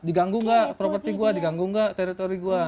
diganggu nggak properti gue diganggu nggak teritori gue